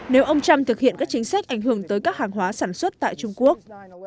nếu ông trump thực hiện các chính sách ảnh hưởng tới các hàng hóa sản xuất tại trung quốc